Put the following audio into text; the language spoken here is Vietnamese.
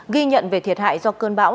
ghi nhận về thiệt hại do cơn bão